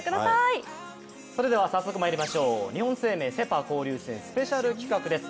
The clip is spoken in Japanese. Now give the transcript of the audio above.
それではまいりましょう、日本生命セ・パ交流戦スペシャル企画です。